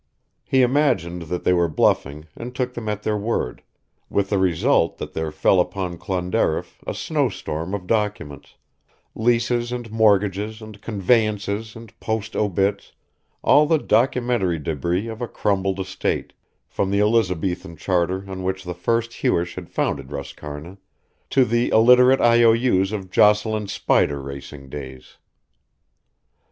He imagined that they were bluffing and took them at their word, with the result that there fell upon Clonderriff a snowstorm of documents leases and mortgages and conveyances and post obits all the documentary débris of a crumbled estate, from the Elizabethan charter on which the first Hewish had founded Roscarna to the illiterate IOU's of Jocelyn's spider racing days.